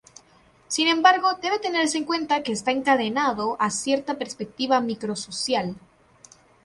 Sin embargo, debe tenerse en cuenta que está encadenado a cierta perspectiva micro social.